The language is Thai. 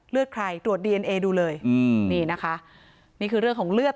เลือดใครตรวจดีเอ็นเอดูเลยอืมนี่นะคะนี่คือเรื่องของเลือด